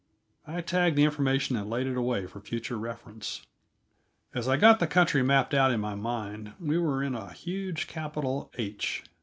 I tagged the information and laid it away for future reference. As I got the country mapped out in my mind, we were in a huge capital H.